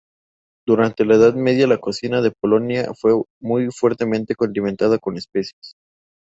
Durante la Edad Media la cocina de Polonia fue muy fuertemente condimentada con especias.